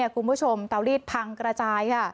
คุณผู้ชมเตารีดพังกระจาย